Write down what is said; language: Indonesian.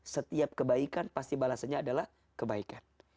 setiap kebaikan pasti balasannya adalah kebaikan